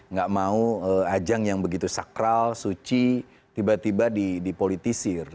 nggak mau ajang yang begitu sakral suci tiba tiba dipolitisir